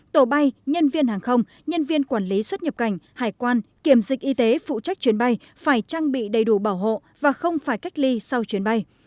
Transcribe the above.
tổ bay nhân viên hàng không nhân viên quản lý xuất nhập cảnh hải quan kiểm dịch y tế phụ trách chuyến bay phải trang bị đầy đủ bảo hộ và không phải cách ly sau chuyến bay